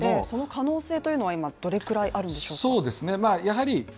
その可能性というのは今、どのくらいあるんでしょうか？